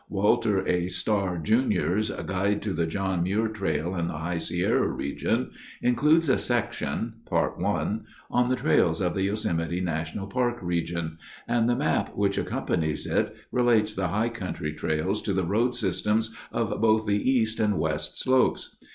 Walter A. Starr, Jr.'s Guide to the John Muir Trail and the High Sierra Region includes a section (Part I) on the trails of the Yosemite National Park region, and the map which accompanies it relates the high country trails to the road systems of both the east and west slopes.